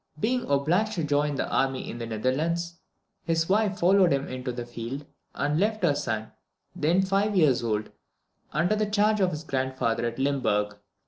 Being obliged to join the army in the Netherlands, his wife followed him into the field, and left her son, then five years old, under the charge of his grandfather at Limberg.